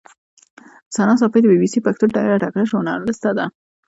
ثنا ساپۍ د بي بي سي پښتو ډېره تکړه ژورنالیسټه ده.